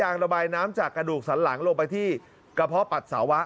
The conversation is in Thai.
ระบายน้ำจากกระดูกสันหลังลงไปที่กระเพาะปัสสาวะ